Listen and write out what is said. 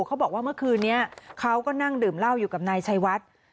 เขาบอกว่าเมื่อคืนนี้เขาก็นั่งดื่มเหล้าอยู่กับนายชัยวัด